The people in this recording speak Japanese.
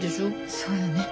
そうよね